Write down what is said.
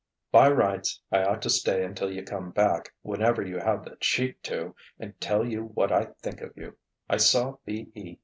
"By rights I ought to stay until you come back, whenever you have the cheek to, and tell you what I think of you I saw B. E.